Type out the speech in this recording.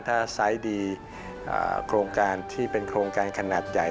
ถ้าไซส์ดีโครงการที่เป็นโครงการขนาดใหญ่